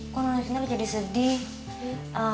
kok nang kinang jadi sedih